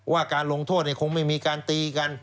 การลงโทษคงไม่มีการตีกัน